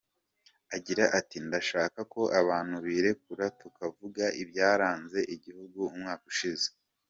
Agira ati “Ndashaka ko abantu birekura tukavuga ibyaranze igihugu umwaka ushize.